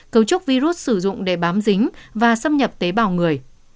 cấu trúc virus sử dụng để bám dính và xâm nhập tế bào người